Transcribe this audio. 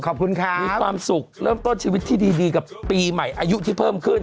ขอบคุณค่ะมีความสุขเริ่มต้นชีวิตที่ดีกับปีใหม่อายุที่เพิ่มขึ้น